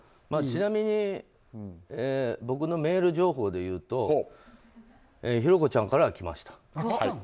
ちなみに僕のメール情報でいうと寛子ちゃんからは来ました。